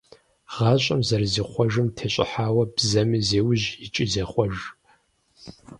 ГъащӀэм зэрызихъуэжым тещӀыхьауэ бзэми зеужь икӀи зехъуэж.